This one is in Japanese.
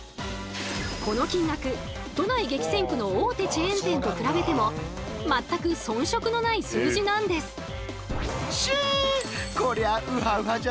この金額都内激戦区の大手チェーン店と比べても全く遜色のない数字なんです。